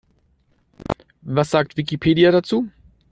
Was sagt Wikipedia dazu?